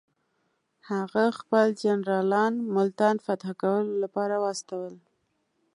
هغه خپل جنرالان ملتان فتح کولو لپاره واستول.